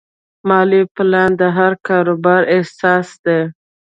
مالي پلان د هر کاروبار اساس دی.